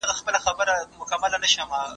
که په سکرین باندي دوړې وي نو توري سم نه معلومیږي.